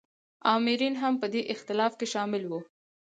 آمرین هم په دې اختلاف کې شامل وي.